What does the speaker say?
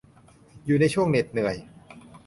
อยู่ในช่วงเหน็ดเหนื่อย